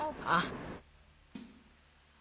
あっ。